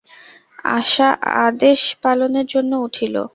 আশা আদেশ পালনের জন্য উঠিল।